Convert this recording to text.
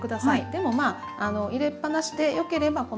でもまあ入れっぱなしでよければこのままで。